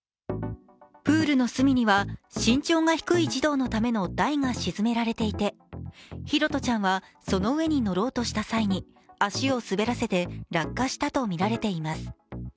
プールの隅には身長が低い児童のための台が沈められていて拓杜ちゃんはその上に乗ろうとした際に足を滑らせて落下したとみられています。